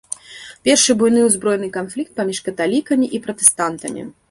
Першы буйны ўзброены канфлікт паміж каталікамі і пратэстантамі.